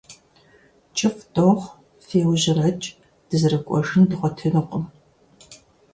КӀыфӀ дохъу, феужьрэкӏ, дызэрыкӏуэжын дгъуэтынукъым.